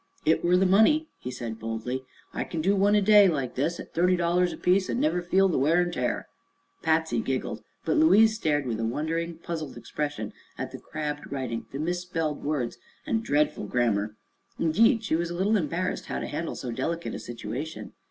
"It were the money," he said boldly. "I kin do one a day like this, at thirty dollers apiece, an' never feel the wear an' tear." Patsy giggled, but Louise stared with a wondering, puzzled expression at the crabbed writing, the misspelled words and dreadful grammar. Indeed, she was a little embarrassed how to handle so delicate a situation.